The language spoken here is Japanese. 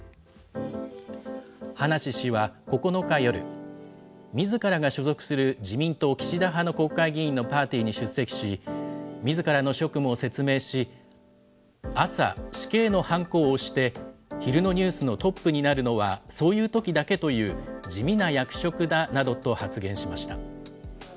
葉梨氏は９日夜、みずからが所属する自民党岸田派の国会議員のパーティーに出席し、みずからの職務を説明し、朝、死刑のはんこを押して、昼のニュースのトップになるのは、そういうときだけという地味な役職だなどと発言しました。